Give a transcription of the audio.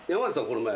この前。